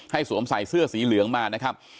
สวมใส่เสื้อสีเหลืองมานะครับ